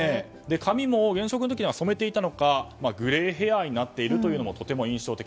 髪も現職の時には染めていたのかグレーヘアになっているのがとても印象的。